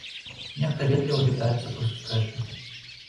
Нехта ветліва вітаецца пры сустрэчы.